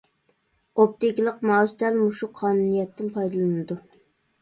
ئوپتىكىلىق مائۇس دەل مۇشۇ قانۇنىيەتتىن پايدىلىنىدۇ.